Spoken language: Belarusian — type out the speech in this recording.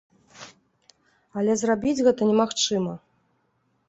Але зрабіць гэта немагчыма.